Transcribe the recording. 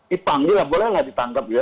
dipanggil lah boleh nggak ditangkap ya